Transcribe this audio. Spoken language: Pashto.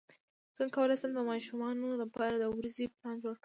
څنګه کولی شم د ماشومانو لپاره د ورځې پلان جوړ کړم